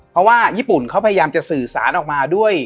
เพราะว่าญี่ปุ่นเขาพยายามจะสื่อสารออกมาด้วย